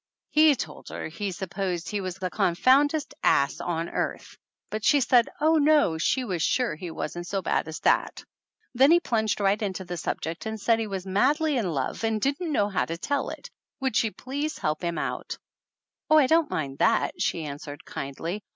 He told her he supposed he was the con foundedest ass on earth, but she said oh no, she was sure he wasn't so bad as that! Then he 218 THE ANNALS OF ANN plunged right into the subject and said he was madly in love and didn't know how to tell it. Would she please help him out? "Oh, don't mind that," she answered kindly.